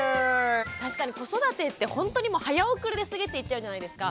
確かに子育てってほんとにもう早送りで過ぎていっちゃうじゃないですか。